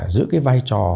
giữ vai trò